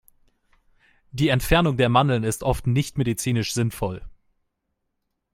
Die Entfernung der Mandeln ist oft nicht medizinisch sinnvoll.